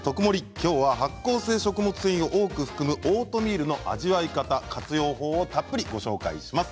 きょうは発酵性食物繊維を多く含むオートミールの味わい方活用法をたっぷりご紹介します。